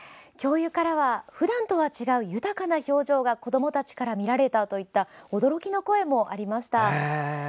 教諭からは普段とは違う、豊かな表情が子どもたちから見られたといった驚きの声もありました。